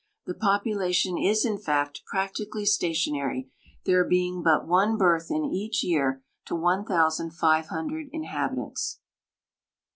The population is, in fact, practically stationary, there being but one birth in each year to 1,500 inhabitants.